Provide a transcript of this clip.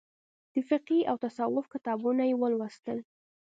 د فقهي او تصوف کتابونه یې ولوستل.